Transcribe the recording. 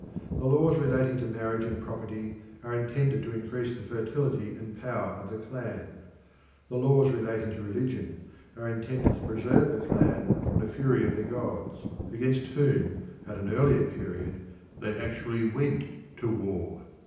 The laws relating to marriage and property are intended to increase the fertility and power of the clan; the laws relating to religion are intended to preserve the clan from the fury of the gods, against whom, at an earlier period, they actually went to war.